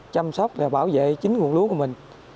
chăm sóc và bảo vệ chính nguồn lúa của mình